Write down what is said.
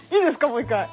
もう一回。